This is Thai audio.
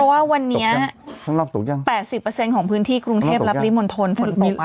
เพราะว่าวันนี้ต้องรอบตกยังแปดสิบเปอร์เซ็นต์ของพื้นที่กรุงเทพรับริมณฑลฝนตกอ่ะ